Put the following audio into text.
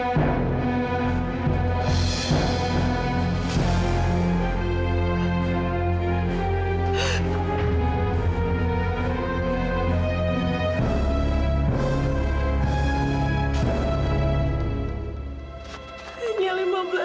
ya allah kenapa hasilnya begini